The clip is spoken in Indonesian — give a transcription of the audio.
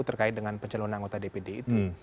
terkait dengan pencalonan anggota dpd itu